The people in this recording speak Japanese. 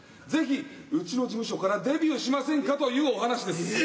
ぜひうちの事務所からデビューしませんかというお話です。